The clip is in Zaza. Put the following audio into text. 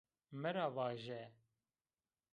Mi ra vaje